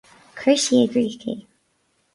Chuir sí i gcrích é.